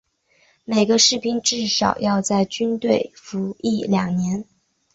每个士兵至少要在军队服役两年。